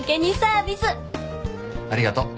ありがとう。